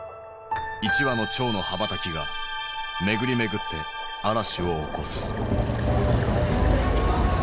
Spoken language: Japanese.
一羽の蝶の羽ばたきが巡り巡って嵐を起こす。